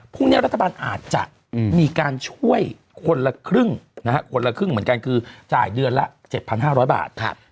พรุ่งนี้รัฐบาลอาจจะมีการช่วยคนละครึ่งนะฮะคนละครึ่งเหมือนกันคือจ่ายเดือนละ๗๕๐๐บาท